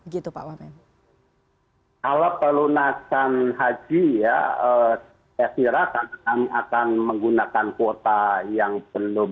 kalau pelunasan haji ya saya kira kami akan menggunakan kuota yang belum